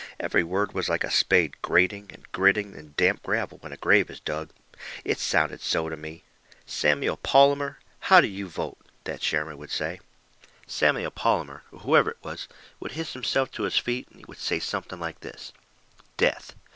Every word was like a spade grating and gritting in damp gravel when a grave is dug. It sounded so to me. "Samuel Palmour, how do you vote?" that chairman would say. Samuel Palmour, or whoever it was, would hist himself to his feet, and he would say something like this: "Death."